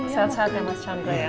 saat saat ya mas chandra ya